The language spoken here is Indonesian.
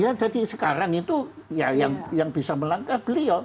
ya jadi sekarang itu yang bisa melangkah beliau